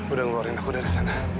udah ngeluarin aku dari sana